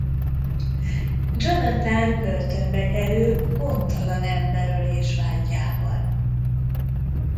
Jonathan börtönbe kerül gondtalan emberölés vádjával.